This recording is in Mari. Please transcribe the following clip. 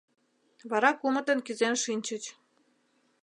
Вара кумытын кӱзен шинчыч.